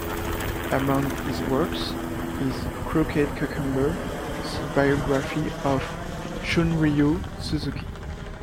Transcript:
Among his works is "Crooked Cucumber", the biography of Shunryu Suzuki.